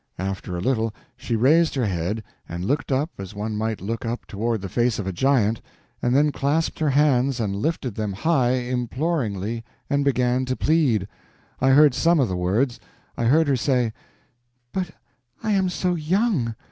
After a little she raised her head, and looked up as one might look up toward the face of a giant, and then clasped her hands and lifted them high, imploringly, and began to plead. I heard some of the words. I heard her say: "But I am so young!